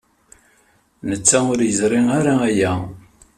Netta ur yeẓri ara aya.